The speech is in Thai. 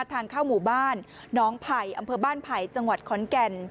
ทางเข้าหมู่บ้านน้องไผ่อำเภอบ้านไผ่จังหวัดขอนแก่น